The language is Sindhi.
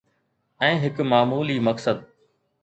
۽ هڪ معمولي مقصد